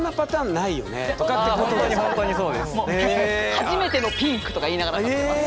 「はじめてのピンク！」とか言いながら買ってます。